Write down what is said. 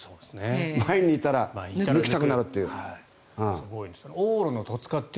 前にいたら抜きたくなるという。